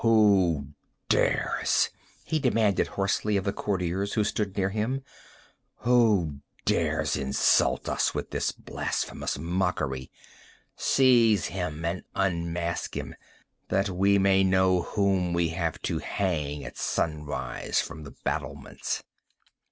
"Who dares?" he demanded hoarsely of the courtiers who stood near him—"who dares insult us with this blasphemous mockery? Seize him and unmask him—that we may know whom we have to hang at sunrise, from the battlements!"